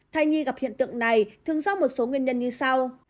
thai nhi gặp hiện tượng này thường do một số nguyên nhân như sau